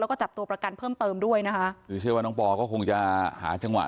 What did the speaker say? แล้วก็จับตัวประกันเพิ่มเติมด้วยนะคะคือเชื่อว่าน้องปอก็คงจะหาจังหวะ